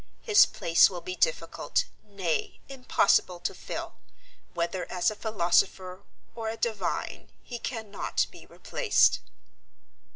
His place will be difficult, nay, impossible, to fill. Whether as a philosopher or a divine he cannot be replaced."